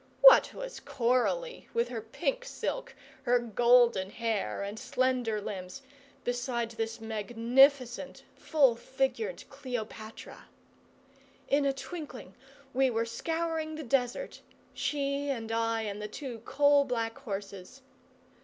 What was Coralie, with her pink silk, her golden hair and slender limbs, beside this magnificent, full figured Cleopatra? In a twinkling we were scouring the desert she and I and the two coal black horses.